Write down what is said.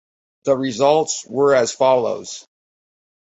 The results were as follows.